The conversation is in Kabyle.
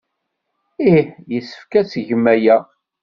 Ih, yessefk ad tgem aya.